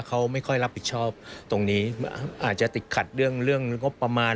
เขาไม่ค่อยรับผิดชอบตรงนี้อาจจะติดขัดเรื่องเรื่องงบประมาณ